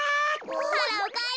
あらおかえり。